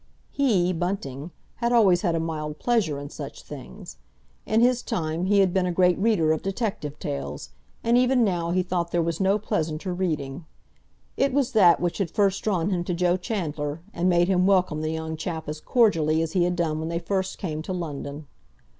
He, Bunting, had always had a mild pleasure in such things. In his time he had been a great reader of detective tales, and even now he thought there was no pleasanter reading. It was that which had first drawn him to Joe Chandler, and made him welcome the young chap as cordially as he had done when they first came to London.